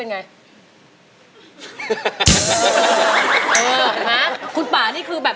นี่พร้อมอินโทรเพลงที่สี่มาเลยครับ